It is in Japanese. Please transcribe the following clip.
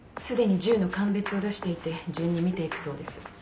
既に１０の鑑別を出していて順に見ていくそうです。